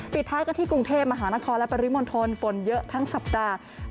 ปิดท้ายกันที่กรุงเทพมหานครและปริมณฑลฝนเยอะทั้งสัปดาห์